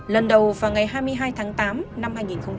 lần đầu vào ngày hai mươi hai tháng tám năm hai nghìn một mươi chín